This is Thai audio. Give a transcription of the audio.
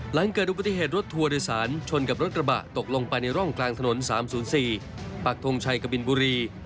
หลังเกิดอุบัติเหตุรถทัวร์โดยสารชนกับรถกระบะตกลงไปในร่องกลางถนน๓๐๔ปักทงชัยกบินบุรี